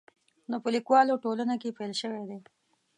نو په لیکوالو ټولنه کې پیل شوی دی.